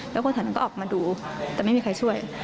แล้วคนแถวนั้นก็ออกมาดูแต่ไม่มีใครช่วย